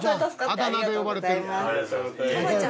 あだ名で呼ばれてる。